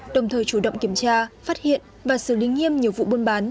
đồng thời chủ động kiểm tra phát hiện và xử lý nghiêm nhiều vụ buôn bán